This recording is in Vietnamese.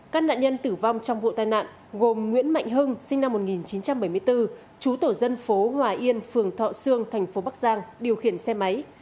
các nạn nhân tử vong trong vụ tai nạn gồm nguyễn mạnh hưng sinh năm một nghìn chín trăm bảy mươi bốn chú tổ dân phố hòa yên phường thọ sương thành phố bắc giang điều khiển xe máy